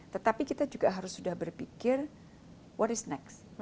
tetapi kita juga harus sudah berpikir what is next